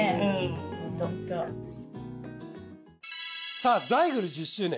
さあザイグル１０周年